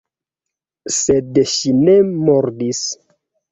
Sed ŝi ne mordis.